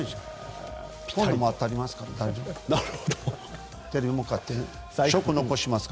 今度も当たりますから大丈夫ですよ。